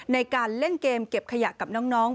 ในการเล่นเกมเก็บขยะกับน้อง